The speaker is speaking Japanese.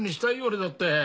俺だって。